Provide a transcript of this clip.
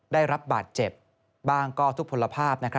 ได้รับบาดเจ็บบ้างก็ทุกผลภาพ